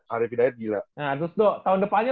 arief hidayat gila nah terus tuh tahun depannya